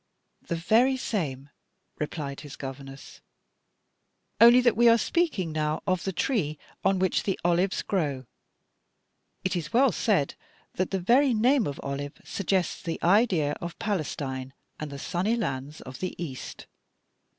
"The very same," replied his governess; "only that we are speaking now of the tree on which the olives grow. It is well said that the very name of 'olive' suggests the idea of Palestine and the sunny lands of the East.